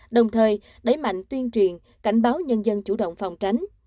đồng thời đẩy mạnh tuyên truyền cảnh báo nhân dân chủ động phòng tránh